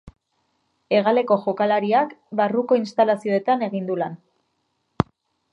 Hegaleko jokalariak barruko instalazioetan egin du lan.